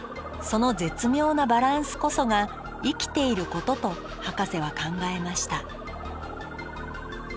その絶妙なバランスこそが生きていることとハカセは考えました